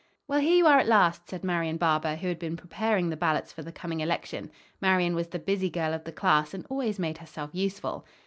"Well, here you are at last!" said Marian Barber, who had been preparing the ballots for the coming election. Marian was the busy girl of the class, and always made herself useful.